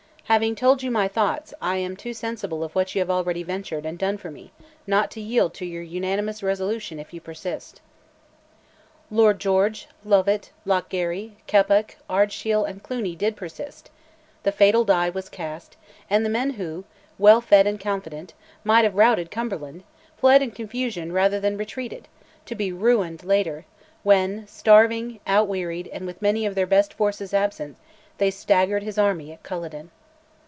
"Having told you my thoughts, I am too sensible of what you have already ventured and done for me, not to yield to your unanimous resolution if you persist." Lord George, Lovat, Lochgarry, Keppoch, Ardshiel, and Cluny did persist; the fatal die was cast; and the men who well fed and confident might have routed Cumberland, fled in confusion rather than retreated, to be ruined later, when, starving, out wearied, and with many of their best forces absent, they staggered his army at Culloden.